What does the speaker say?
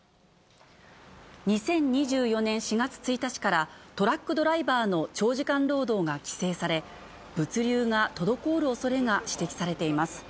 ２０２４年４月１日から、トラックドライバーの長時間労働が規制され、物流が滞るおそれが指摘されています。